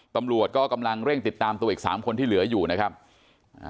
ตำรวจก็กำลังเร่งติดตามตัวอีกสามคนที่เหลืออยู่นะครับอ่า